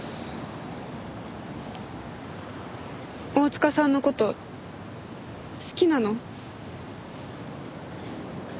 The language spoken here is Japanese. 大塚さんの事好きなの？